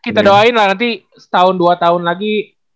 kita doain lah nanti setahun dua tahun lagi